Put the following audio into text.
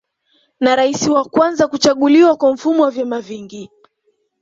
Na rais wa kwanza kuchaguliwa kwa mfumo wa vyama vingi